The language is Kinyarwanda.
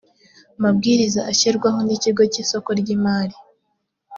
mabwiriza ashyirwaho n ikigo cy isoko ry imari